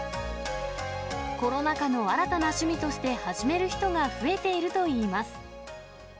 コロナ禍の新たな趣味として始める人が増えているといいます。